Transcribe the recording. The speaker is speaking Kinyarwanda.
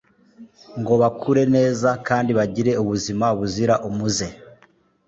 ngo bakure neza kandi bagire ubuzima buzira umuze